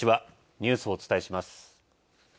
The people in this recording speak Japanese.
ニュースお伝えします。